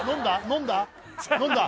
飲んだ？